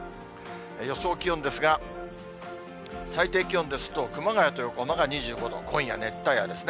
予想気温ですが、最低気温ですと、熊谷と横浜が２５度、今夜、熱帯夜ですね。